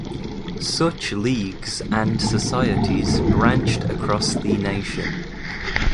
Such leagues and societies branched across the nation.